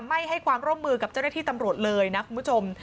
ไม่ให้ความร่วมมือกับเจ้าหน้าที่ตำรวจเลยนะคุณผู้ชม